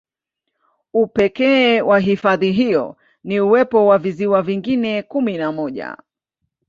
Upekee wa hifadhi hiyo ni uwepo wa visiwa vingine kumi na moja